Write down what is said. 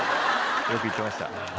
よく行ってました。